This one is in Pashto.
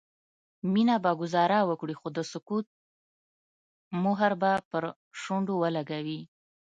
مينه به ګذاره وکړي خو د سکوت مهر به پر شونډو ولګوي